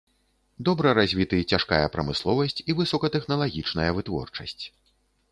Добра развіты цяжкая прамысловасць і высокатэхналагічная вытворчасць.